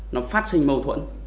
nó phát sinh mâu thuẫn